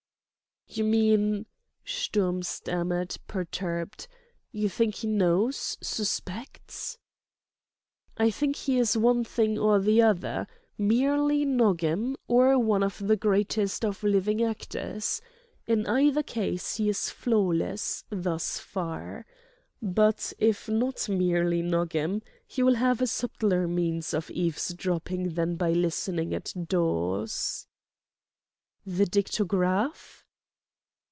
"You mean," Sturm stammered, perturbed, "you think he knows—suspects?" "I think he is one thing or the other: merely Nogam, or one of the greatest of living actors. In either case he is flawless—thus far. But if not merely Nogam, he will have a subtler means of eavesdropping than by listening at doors." "The dictograph?"